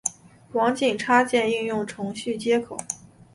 网景插件应用程序接口。